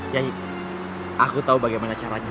yahi aku tahu bagaimana caranya